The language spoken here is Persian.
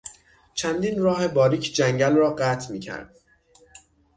چندین راه باریک جنگل را قطع میکرد.